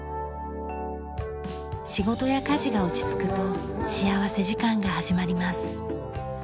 仕事や家事が落ち着くと幸福時間が始まります。